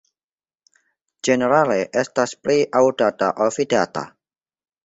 Ĝenerale estas pli aŭdata ol vidata.